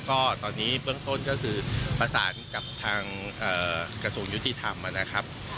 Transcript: ก็ตอนนี้เบื้องต้นก็คือประสานกับทางกระทรวงยุติธรรมนะครับ